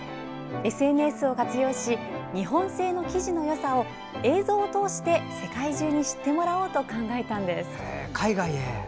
ＳＮＳを活用し日本製の生地のよさを映像を通して世界中に知ってもらおうと考えたのです。